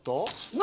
何？